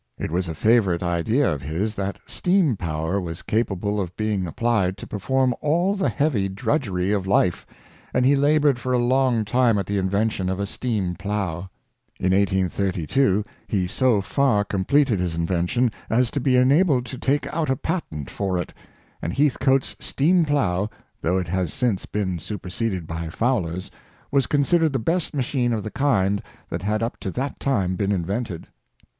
It was a favorite idea of his that steam power was capable of being ap plied to perform all the heavy drudgery of life, and he labored for a long time at the invention of a steam plough. In 1832 he so far completed his invention as to be enabled to take out a patent for it, and Heath Heatlicoai at Tiverton, 221 coat's steam plough, though it has since been super seded by Fowler's, was considered the best machine of the kind that had up to that time been invented.